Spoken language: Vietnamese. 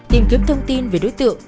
tìm kiếm thông tin về đối tượng